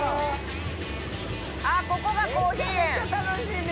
ああ、ここがコーヒー園。